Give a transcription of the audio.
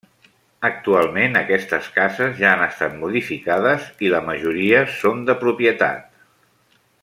Actualment aquestes cases ja han estat modificades i la majoria són de propietat.